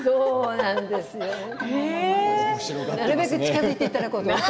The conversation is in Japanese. なるべく近づいていただこうと。